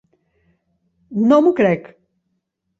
No m'ho crec!